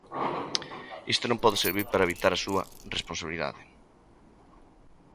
Isto non pode servir para evitar a súa responsabilidade.